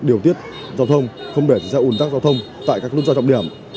điều tiết giao thông không để xe ủn tắc giao thông tại các lúc giao trọng điểm